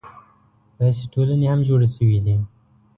داسې ټولنې هم جوړې شوې دي.